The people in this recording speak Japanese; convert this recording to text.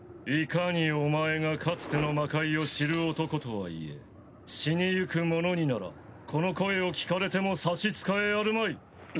いかにお前がかつての魔界を知る男とはいえ死にゆく者にならこの声を聞かれても差し支えあるまい。